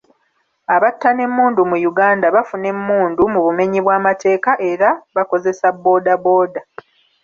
Abatta n'emmundu mu Uganda bafuna emmundu mu bumenyi bw'amateeka era bakoseza booda booda.